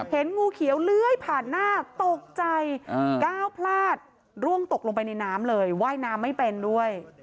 เห็นงูเขียวเลื้อยผ่านหน้าตกใจก้าวพลาดร่วงตกลงไปในน้ำเลยว่ายน้ำไม่เป็นด้วย